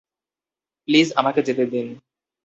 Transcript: Please, আমাকে যেতে দিন।